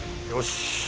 よし！